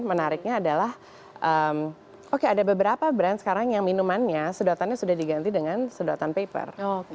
menariknya adalah oke ada beberapa brand sekarang yang minumannya sedotannya sudah diganti dengan sedotan paper